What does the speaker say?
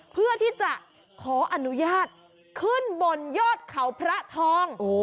เพื่อที่จะขออนุญาตขึ้นบนยอดเขาพระทอง